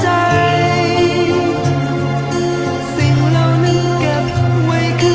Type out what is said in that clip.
รักเธอทั้งหมด